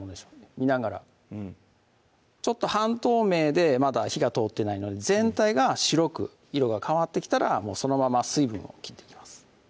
見ながらちょっと半透明でまだ火が通ってないので全体が白く色が変わってきたらそのまま水分を切っていきます